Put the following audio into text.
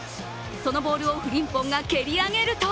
そのボールをフリンポンが蹴り上げると